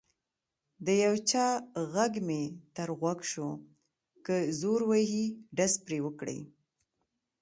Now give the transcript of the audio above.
د یو چا غږ مې تر غوږ شو: که زور وهي ډز پرې وکړئ.